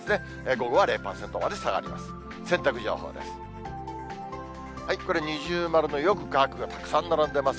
午後は０％まで下がります。